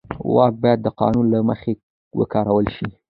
واک باید د قانون له مخې وکارول شي.